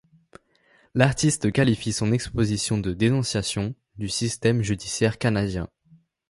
L'artiste qualifie son exposition de dénonciation du système judiciaire canadien.